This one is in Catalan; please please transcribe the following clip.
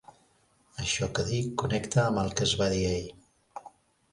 Això que dic connecta amb el que es va dir ahir.